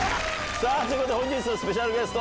さあ、ということで、本日のスペシャルゲスト。